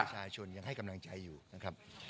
ได้เห็นโพลที่ออกมาตอนเจ็บตอน๕โมง